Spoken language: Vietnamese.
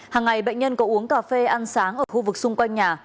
hàng ngày bệnh nhân có uống cà phê ăn sáng ở khu vực xung quanh nhà